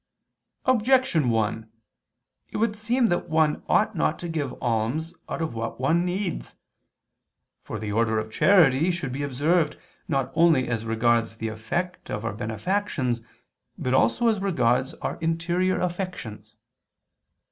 Objection 1: It would seem that one ought not to give alms out of what one needs. For the order of charity should be observed not only as regards the effect of our benefactions but also as regards our interior affections.